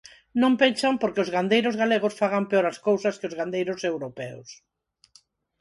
Non pechan porque os gandeiros galegos fagan peor as cousas que os gandeiros europeos.